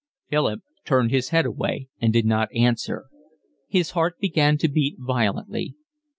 Philip turned his head away and did not answer. His heart began to beat violently.